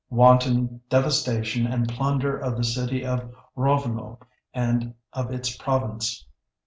Wanton devastation and plunder of the city of Rovno and of its province.